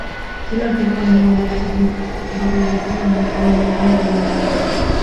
إلى فرعون وملئه فاستكبروا وكانوا قوما عالين